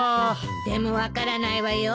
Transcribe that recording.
でも分からないわよ。